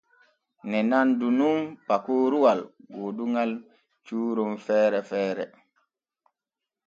Ne nandu nun pakoroowal gooduŋal cuuron feere feere.